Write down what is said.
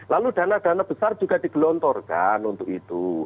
lalu dana dana besar juga digelontorkan untuk itu